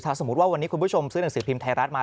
สมมุติว่าวันนี้คุณผู้ชมซื้อหนังสือพิมพ์ไทยรัฐมา